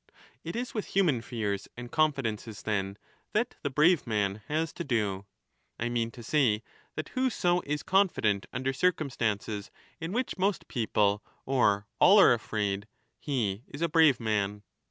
It is with human fears and confidences, then, that the brave man has to do ; I mean to say that whoso is con 20 fident under circumstances in which most people or all are afraid, he is a brave man.